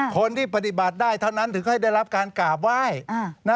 คนที่ปฏิบัติได้เท่านั้นถึงให้ได้รับการกราบไหว้